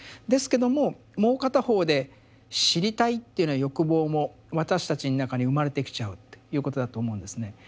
ですけどももう片方で「知りたい」っていうような欲望も私たちの中に生まれてきちゃうっていうことだと思うんですね。